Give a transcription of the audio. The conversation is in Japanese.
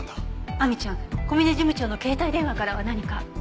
亜美ちゃん小嶺事務長の携帯電話からは何か？